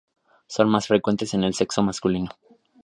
Son más frecuentes en el sexo masculino.